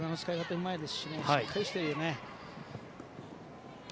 うまいですししっかりしているよね。